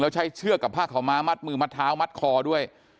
แล้วใช้เชือกกับผ้าขาวม้ามัดมือมัดเท้ามัดคอด้วย